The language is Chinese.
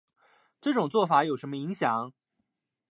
这种做法有什么影响